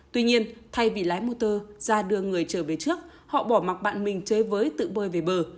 tuy nhiên thay vì lái motor ra đưa người trở về trước họ bỏ mặc bạn mình chơi với tự bơi về bờ